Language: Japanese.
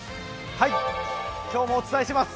今日もお伝えします。